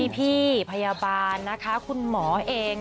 พี่พยาบาลนะคะคุณหมอเอง